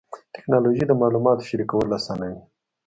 ټکنالوجي د معلوماتو شریکول اسانوي.